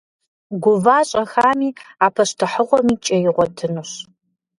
Гува щӏэхами, а пащтыхьыгъуэми кӏэ игъуэтынущ.